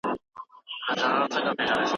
لارښود استاد په هره مرحله کي د شاګرد مرسته کوي.